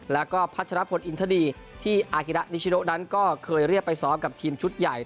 แล้วก็พัชรพลอินทดีที่อากิระนิชโนนั้นก็เคยเรียกไปซ้อมกับทีมชุดใหญ่